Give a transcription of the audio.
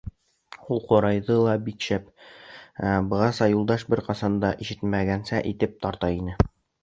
Ул ҡурайҙы ла бик шәп, бығаса Юлдаш бер ҡасан да ишетмәгәнсә итеп тарта ине.